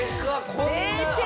こんな。